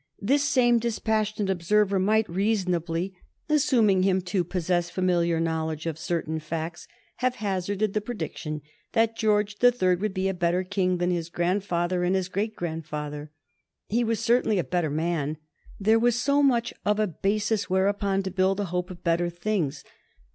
This same dispassionate observer might reasonably, assuming him to possess familiar knowledge of certain facts, have hazarded the prediction that George the Third would be a better king than his grandfather and his great grandfather. He was certainly a better man. There was so much of a basis whereupon to build a hope of better things.